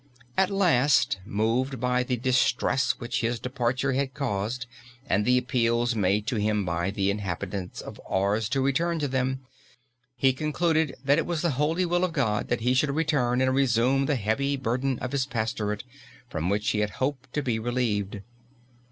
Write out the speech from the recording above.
At last, moved by the distress which his departure had caused and the appeals made to him by the inhabitants of Ars to return to them, he concluded that it was the holy will of God that he should return and resume the heavy burden of his pastorate, from which he had hoped to be relieved.